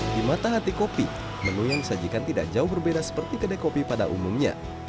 di mata hati kopi menu yang disajikan tidak jauh berbeda seperti kedai kopi pada umumnya